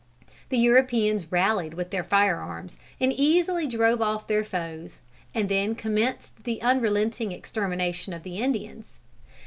The Europeans rallied with their fire arms, and easily drove off their foes, and then commenced the unrelenting extermination of the Indians.